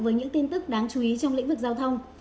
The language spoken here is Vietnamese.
với những tin tức đáng chú ý trong lĩnh vực giao thông